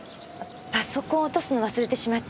パソコンを落とすのを忘れてしまって。